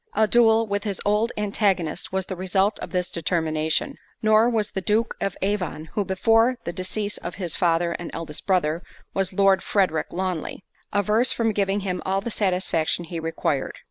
A duel with his old antagonist was the result of this determination; nor was the Duke of Avon (who before the decease of his father and eldest brother, was Lord Frederick Lawnly) averse from giving him all the satisfaction he required.